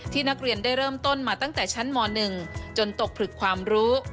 นักเรียนได้เริ่มต้นมาตั้งแต่ชั้นม๑จนตกผลึกความรู้